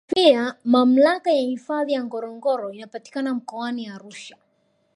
Kijiografia Mamlaka ya hifadhi ya Ngorongoro inapatikana Mkoani Arusha